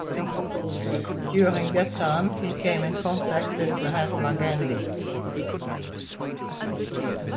During that time he came in contact with Mahatma Gandhi.